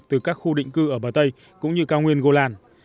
từ các khu định cư ở bờ tây cũng như cao nguyên golan